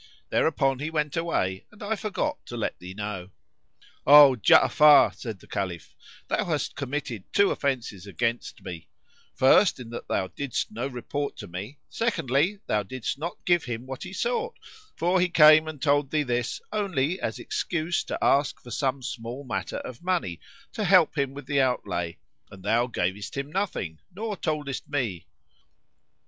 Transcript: Thereupon he went away and I forgot to let thee know." "O Ja'afar," said the Caliph, "thou hast committed two offences against me; first in that thou didst no report to me, secondly, thou didst not give him what he sought; for he came and told thee this only as excuse to ask for some small matter of money, to help him with the outlay; and thou gavest him nothing nor toldest me."